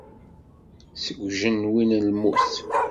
Seg ujenwi n lmut.